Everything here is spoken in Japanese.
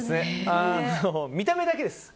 見た目だけです。